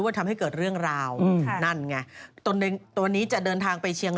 ซึ่งเขาโกหรไปจริง